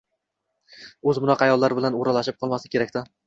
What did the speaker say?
O`zi bunaqa ayollar bilan o`ralashib qolmaslik kerak-da